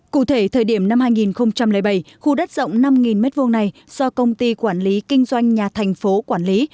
cụ thể thời điểm năm hai nghìn bảy khu đất rộng năm m hai này do công ty quản lý kinh doanh nhà thành phố quản lý